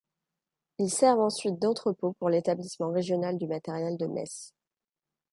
Ils servent ensuite d’entrepôts pour l'Établissement régional du matériel de Metz.